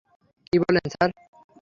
কী বলেন, স্যার?